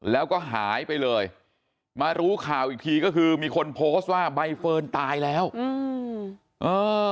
แล้วก็หายไปเลยมารู้ข่าวอีกทีก็คือมีคนโพสต์ว่าใบเฟิร์นตายแล้วอืมเออ